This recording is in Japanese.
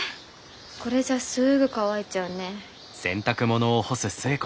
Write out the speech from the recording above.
これじゃすぐ乾いちゃうね。